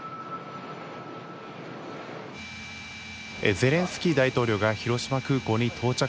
ゼレンスキー大統領が広島空港に到着しました。